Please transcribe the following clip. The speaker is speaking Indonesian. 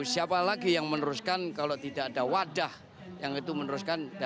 siapa lagi yang meneruskan kalau tidak ada wadah yang itu meneruskan